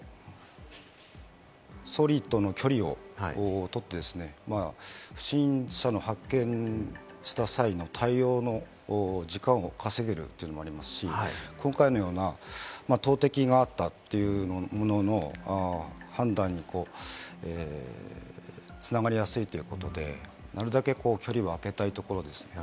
なるだけ総理との距離をとってですね、不審者を発見した際の対応の時間を稼げるっていうのもありますし、今回のような投てきがあったというものの、判断につながりやすいということで、なるだけ距離をあけたいところですね。